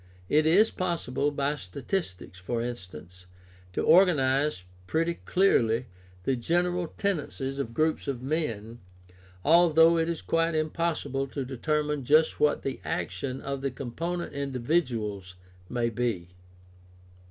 It is possible, by statistics, for instance, to organize pretty clearly the general tendencies of groups of men, although it is quite impossible to determine just what the action of the com ponent individuals may be.